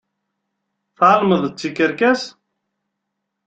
Tεelmeḍ d tikerkas.